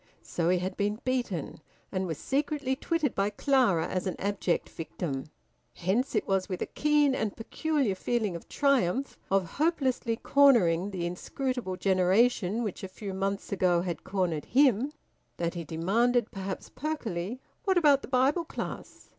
So he had been beaten, and was secretly twitted by Clara as an abject victim. Hence it was with a keen and peculiar feeling of triumph, of hopelessly cornering the inscrutable generation which a few months ago had cornered him, that he demanded, perhaps perkily: "What about the Bible class?"